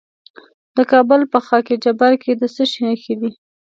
د کابل په خاک جبار کې د څه شي نښې دي؟